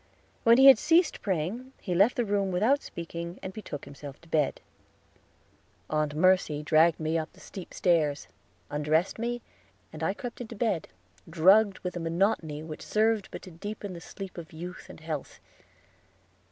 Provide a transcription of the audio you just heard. When he had ceased praying, he left the room without speaking, and betook himself to bed. Aunt Mercy dragged me up the steep stairs, undressed me, and I crept into bed, drugged with a monotony which served but to deepen the sleep of youth and health.